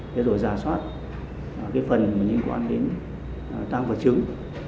thế rồi giả soát cái phần mà liên quan đến tăng vật chứng